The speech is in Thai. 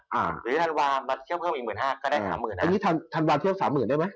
หรือธันวามาเที่ยวเพิ่มอีกหมื่นห้าก็ได้สามหมื่นฮะอันนี้ธันวาเที่ยวสามหมื่นได้ไหม